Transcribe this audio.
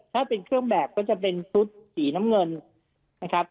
ถ้าเป็นเครื่องแบบก็จะเป็นชุดสีน้ำเงินนะครับ